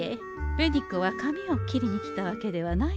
紅子はかみを切りに来たわけではないのでござんす。